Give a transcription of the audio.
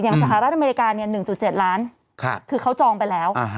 สหรัฐอเมริกา๑๗ล้านคือเขาจองไปแล้ว